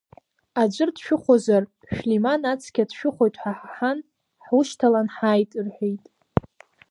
Аӡәыр дшәыхәозар Шәлиман ацқьа дшәыхәоит ҳәа ҳаҳан, ҳушьҭалан ҳааит, — рҳәеит.